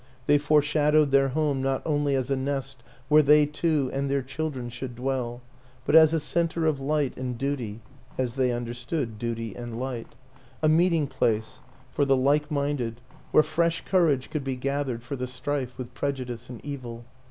They foreshadowed their home not only as a nest where they two and their children should dwell, but as a center of light and duty as they understood duty and light; a meeting place for the like 30 WILLIAM AN ENGLISHMAN minded, where fresh courage could be gathered for the strife with prejudice and evil.